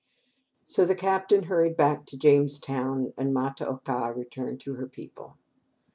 So the captain hurried back to Jamestown, and Ma ta oka returned to her people.